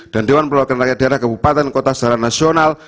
dan dewan perwakilan rakyat daerah kabupaten kota sejarah nasional